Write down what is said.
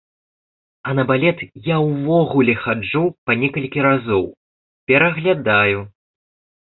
А на балет я ўвогуле хаджу па некалькі разоў, пераглядаю.